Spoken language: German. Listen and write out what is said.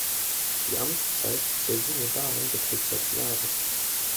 Die Amtszeit der Synodalen beträgt sechs Jahre.